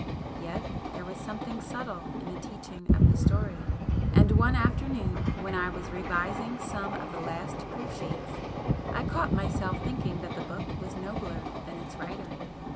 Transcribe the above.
Yet there was something subtle in the teaching of the story, and one afternoon when I was revising some of the last proof sheets I caught myself thinking that the book was nobler than its writer.